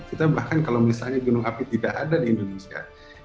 kita bahkan kalau misalnya gunung api tidak ada di indonesia